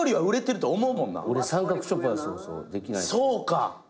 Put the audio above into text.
そうか。